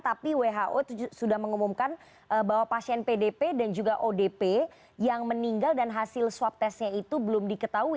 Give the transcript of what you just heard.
tapi who sudah mengumumkan bahwa pasien pdp dan juga odp yang meninggal dan hasil swab testnya itu belum diketahui